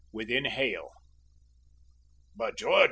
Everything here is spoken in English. WITHIN HAIL. "By George!